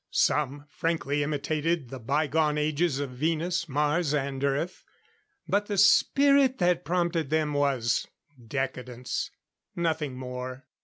Some frankly imitated the bygone ages of Venus, Mars and Earth. But the spirit that prompted them was decadence nothing more.